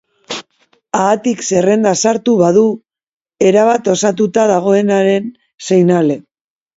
Haatik, zerrendan sartu badu erabat osatuta dagoenaren seinale.